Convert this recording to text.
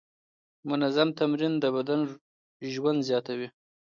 منظم تمرین د بدن لچک زیاتوي.